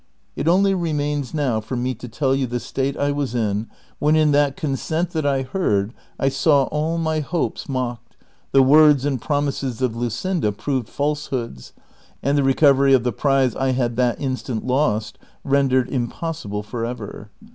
It only remains now for me to tell you the state 1 was in when in that consent that I heard I saw all my hopes mocked, the words and prom ises of Luseinda proved falsehoods, and the recovery of the prize I had that instant lost rendered impossible forever.